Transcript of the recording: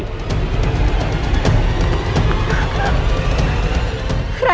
kakek guru paman surakerta